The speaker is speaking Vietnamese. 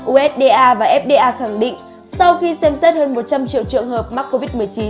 usda và fda khẳng định sau khi xem xét hơn một trăm linh triệu trường hợp mắc covid một mươi chín